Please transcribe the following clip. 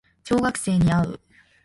小学生に会う